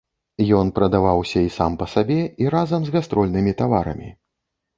Ён прадаваўся і сам па сабе, і разам з гастрольнымі таварамі.